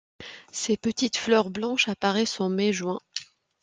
Ses petites fleurs blanches apparaissent en mai-juin.